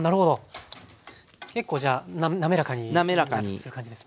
結構じゃあ滑らかにする感じですね。